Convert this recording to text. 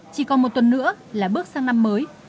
chỉ còn một tuần nữa là bước sang năm mới